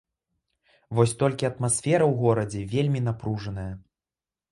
Вось толькі атмасфера ў горадзе вельмі напружаная.